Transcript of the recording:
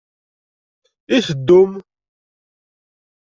I teddum?